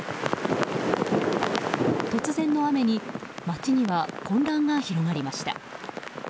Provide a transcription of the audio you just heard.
突然の雨に街には混乱が広がりました。